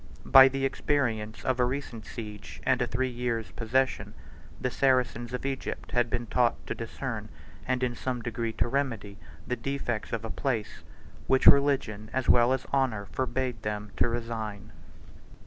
By the experience of a recent siege, and a three years' possession, the Saracens of Egypt had been taught to discern, and in some degree to remedy, the defects of a place, which religion as well as honor forbade them to resign.